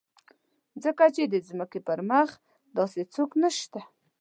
ځکه چې د ځمکې پر مخ داسې څوک نشته.